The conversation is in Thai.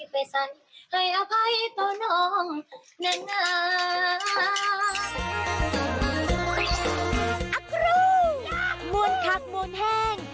มวลคักมวลแห้ง